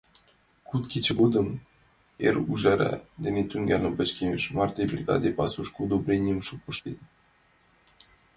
Куд кече годым, эр ӱжара дене тӱҥалын, пычкемыш марте, бригаде пасушко удобренийым шупшыктен.